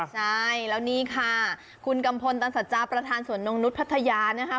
ใช่แล้วนี่ค่ะคุณกัมพลนตร์ตรรสัจครับประธานสวนนกนุษย์ผัทยาเนี่ยค่ะ